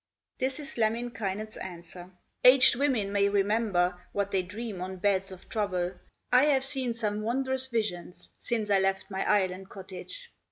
This is Lemminkainen's answer: "Aged women may remember What they dream on beds of trouble; I have seen some wondrous visions, Since I left my Island cottage.